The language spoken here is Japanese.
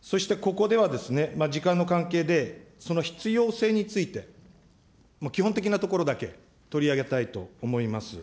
そしてここではですね、時間の関係で、その必要性について、もう基本的なところだけ取り上げたいと思います。